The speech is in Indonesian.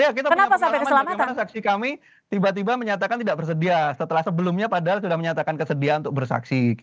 iya kita punya pengalaman bagaimana saksi kami tiba tiba menyatakan tidak bersedia setelah sebelumnya padahal sudah menyatakan kesediaan untuk bersaksi